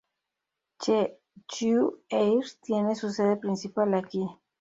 Jeju Air tiene su sede principal aquí.